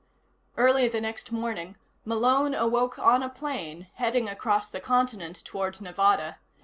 _ 2 Early the next morning, Malone awoke on a plane, heading across the continent toward Nevada.